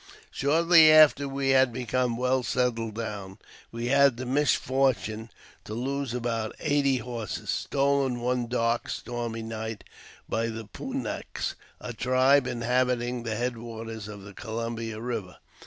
Shortly after we had become well settled down, we had the misfortune to lose about eighty horses, stolen one dark, stormy night by the Pwi naks, a tribe inhabiting the head waters of the Columbia Eiver.